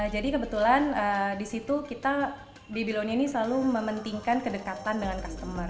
jadi kebetulan disitu kita babylonia ini selalu mementingkan kedekatan dengan customer